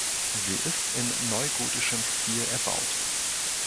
Sie ist in neugotischem Stil erbaut.